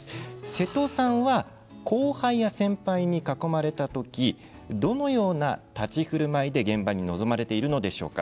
瀬戸さんは後輩や先輩に囲まれた時どのような立ち居振る舞いで現場に臨まれているのでしょうか。